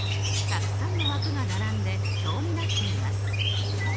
たくさんの枠が並んで表になっています。